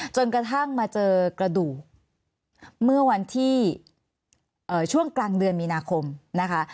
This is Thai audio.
จนกระทั่งมาเจอกระดูกเมื่อวันที่ช่วงกลางเดือนมีนาคมนะคะ